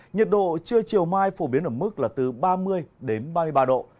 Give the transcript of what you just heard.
nhiệt độ trưa chiều mai phổ biến ở mức là từ ba mươi đến ba mươi ba độ